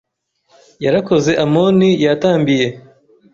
yarakoze Amoni yatambiye